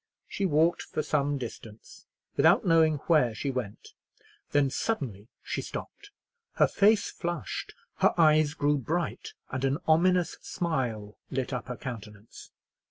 She walked for some distance without knowing where she went, then suddenly she stopped; her face flushed, her eyes grew bright, and an ominous smile lit up her countenance.